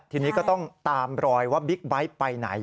ทีนี้ก็ต้องตามรอยว่าบิ๊กไบท์ไปไหน